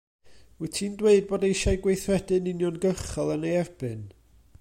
Wyt ti'n dweud bod eisiau gweithredu'n uniongyrchol yn ei erbyn?